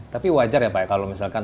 tapi wajar ya pak ya kalau misalkan